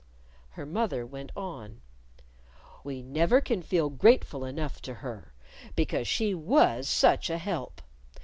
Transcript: Her mother went on: "We never can feel grateful enough to her, because she was such a help.